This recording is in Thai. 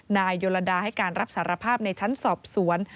นายโยลดาให้การรับสารภาพในชั้นสอบสวน